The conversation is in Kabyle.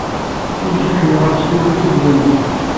Imcac d iɣersiwen izedyanen.